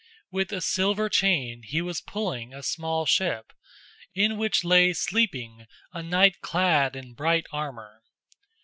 With a silver chain he was pulling a small ship, in which lay sleeping a knight clad in bright armor.